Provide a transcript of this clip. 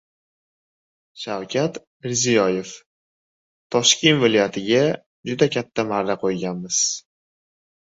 Shavkat Mirziyoyev: Toshkent viloyatiga juda katta marra qo‘yganmiz